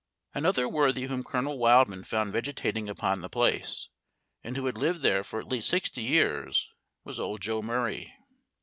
Another worthy whom Colonel Wildman found vegetating upon the place, and who had lived there for at least sixty years, was old Joe Murray.